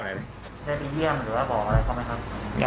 ได้ไปเยี่ยมหรือว่าบอกอะไรเขาไหมครับ